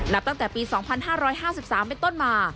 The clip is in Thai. ตั้งแต่ปี๒๕๕๓เป็นต้นมา